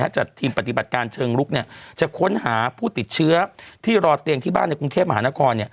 จัดทีมปฏิบัติการเชิงลุกจะค้นหาผู้ติดเชื้อที่รอเตียงที่บ้านในกรุงเทพมหานคร